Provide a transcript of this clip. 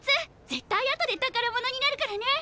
絶対後で宝物になるからね！